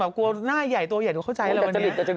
กลัวหน้าใหญ่ตัวใหญ่หนูเข้าใจแล้วแหละ